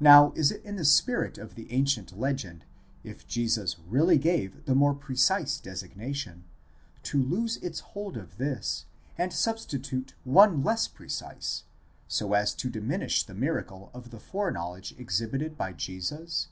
Now is it in the spirit of the ancient legend, if Jesus really gave the more precise designation, to lose its hold of this, and substitute one less precise, so as to diminish the miracle of the foreknowledge exhibited by Jesus?